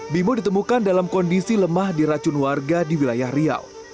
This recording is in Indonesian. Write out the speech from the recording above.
bimau ditemukan dalam kondisi lemah diracun warga di wilayah riau